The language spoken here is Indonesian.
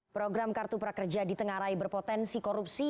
program kartu prakerja di tengah rai berpotensi korupsi